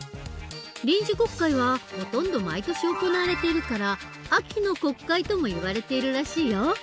臨時国会はほとんど毎年行われているから「秋の国会」ともいわれているらしいよ。